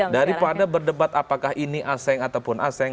daripada berdebat apakah ini asing ataupun asen